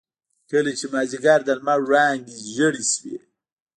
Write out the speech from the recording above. کله چې مازيګر د لمر وړانګې زيړې شوې.